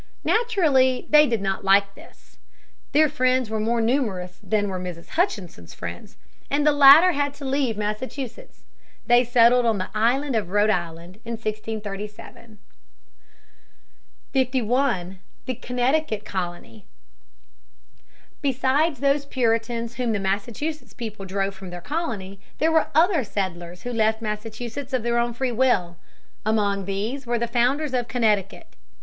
Naturally, they did not like this. Their friends were more numerous than were Mrs. Hutchinson's friends, and the latter had to leave Massachusetts. They settled on the island of Rhode Island (1637). [Sidenote: The Connecticut colonists.] [Sidenote: Founding of Connecticut, 1635 36. Higginson, 71 72.] 51. The Connecticut Colony. Besides those Puritans whom the Massachusetts people drove from their colony there were other settlers who left Massachusetts of their own free will. Among these were the founders of Connecticut.